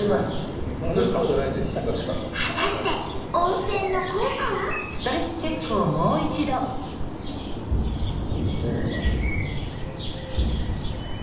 果たして温泉の効果は？どうかな？